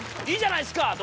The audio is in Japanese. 「いいじゃないっすか！」